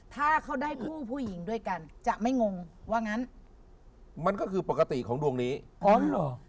ถ้าเขาได้คู่ผู้หญิงด้วยกันจะไม่งงว่างั้นมันก็คือปกติของดวงนี้อ๋อเหรอ